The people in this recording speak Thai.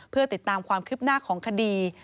เพื่อติดตามความคืบหน้าของคดี